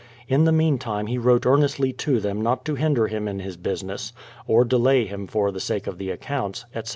In the meantime he wrote earnestly to them not to hinder him in his business, or delay him for the sake of the accounts, etc.